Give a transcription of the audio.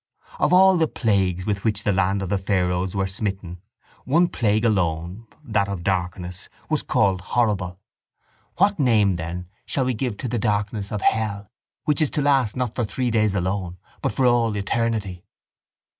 Of all the plagues with which the land of the Pharaohs were smitten one plague alone, that of darkness, was called horrible. What name, then, shall we give to the darkness of hell which is to last not for three days alone but for all eternity?